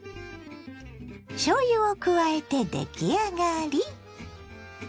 しょうゆを加えて出来上がり。